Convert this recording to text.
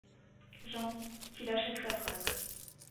JEAN : Qu’il achève sa phrase !